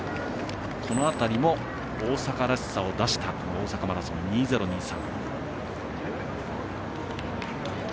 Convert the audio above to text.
この辺りも大阪らしさを出したこの大阪マラソン２０２３。